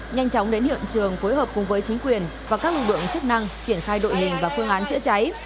nhanh chóng đến hiện trường phối hợp cùng với chính quyền và các lực lượng chức năng triển khai đội hình và phương án chữa cháy